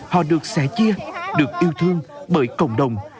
họ được sẻ chia được yêu thương bởi cộng đồng